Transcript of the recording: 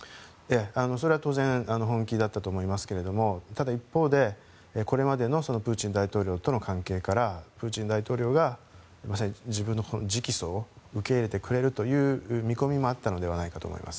それは当然本気だったと思いますがただ、一方で、これまでのプーチン大統領との関係からプーチン大統領が自分の直訴を受け入れてくれるという見込みもあったのではないかと思います。